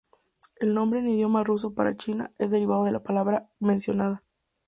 El nombre en Idioma ruso para China: es un derivado de la palabra mencionada.